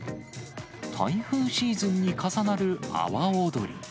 台風シーズンに重なる阿波踊り。